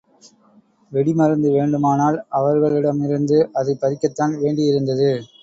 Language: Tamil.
வெடிமருந்து வேண்டுமானால் அவர்களிடமிருந்து அதைப் பறிக்கத்தான் வேண்டியிருந்தது.